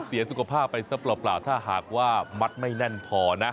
เสียสุขภาพไปซะเปล่าถ้าหากว่ามัดไม่แน่นพอนะ